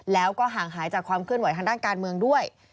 แล้วก็ห่างหายจากความเคลื่อนไหวทางด้านการเมืองด้วย